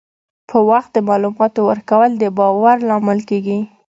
په وخت د معلوماتو ورکول د باور لامل کېږي.